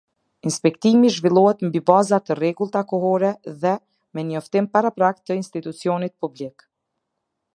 Inspektimi zhvillohet mbi baza të rregullta kohore dhe me njoftim paraprak të institucionit publik.